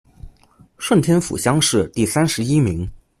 顺天府乡试第三十一名。